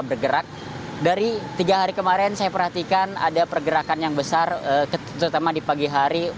bergerak dari tiga hari kemarin saya perhatikan ada pergerakan yang besar terutama di pagi hari